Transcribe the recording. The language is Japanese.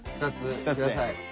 ２つください。